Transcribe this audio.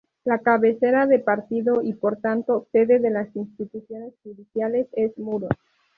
La cabeza de partido y por tanto sede de las instituciones judiciales es Muros.